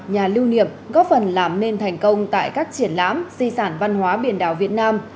nhà lưu niệm góp phần làm nên thành công tại các triển lãm di sản văn hóa biển đảo việt nam